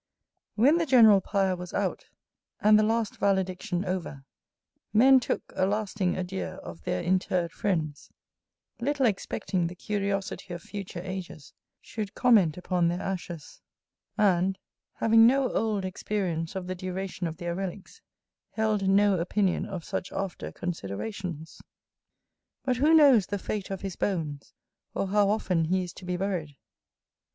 WHEN the general pyre was out, and the last valediction over, men took a lasting adieu of their interred friends, little expecting the curiosity of future ages should comment upon their ashes; and, having no old experience of the duration of their relicks, held no opinion of such after considerations. But who knows the fate of his bones, or how often he is to be buried?